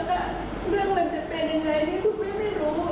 เรื่องมันจะเป็นอย่างไรคุณแม่ไม่รู้